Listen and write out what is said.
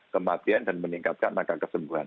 kematian dan meningkatkan angka kesembuhan